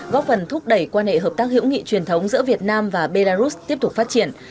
góp phần thúc đẩy quan hệ hợp tác hữu nghị truyền thống giữa việt nam và belarus tiếp tục phát triển